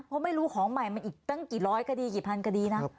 เพราะไม่รู้ของใหม่มันอีกตั้งกี่ร้อยคดีกี่พันคดีนะ